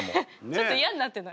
ちょっと嫌になってない？